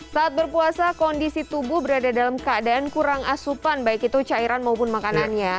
saat berpuasa kondisi tubuh berada dalam keadaan kurang asupan baik itu cairan maupun makanannya